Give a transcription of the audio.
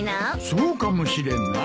そうかもしれんな。